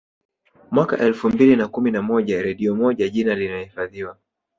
Mwaka elfu mbili na kumi na moja redio moja jina linahifadhiwa